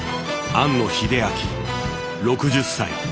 庵野秀明６０歳。